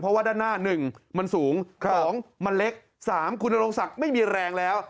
เพราะว่าด้านหน้า๑มันสูง๒มันเล็ก๓คุณนโรงศักดิ์ไม่มีแรงแล้ว